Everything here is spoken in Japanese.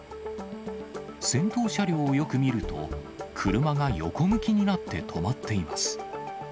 先頭車両をよく見ると、車が横向きになって止まっています。